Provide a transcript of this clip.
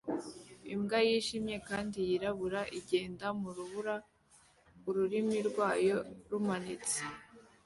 Imbwa yijimye kandi yirabura igenda mu rubura ururimi rwayo rumanitse